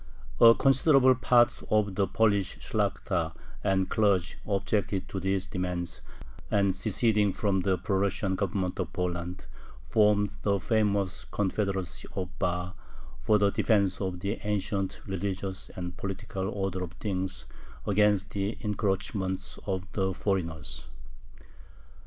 A considerable part of the Polish Shlakhta and clergy objected to these demands, and, seceding from the pro Russian Government of Poland, formed the famous Confederacy of Bar, for the defense of the ancient religious and political order of things against the encroachments of the foreigners.